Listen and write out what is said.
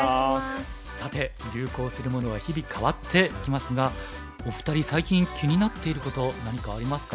さて流行するものは日々変わってきますがお二人最近気になっていること何かありますか？